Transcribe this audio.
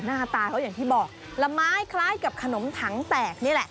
หน้าตาเขาอย่างที่บอกละไม้คล้ายกับขนมถังแตกนี่แหละ